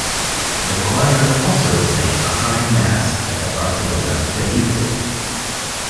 The choir also sang a high mass at the Barcelona Cathedral.